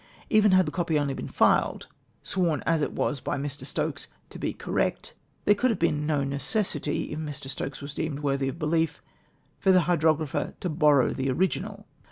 Even had the copy only been filed — sworn as it was by Mr. Stokes ' to he cor rect !' there could have been no necessity — if jNIr. Stokes was deemed worthy of belief — for the Hydrographer to borroiu the original.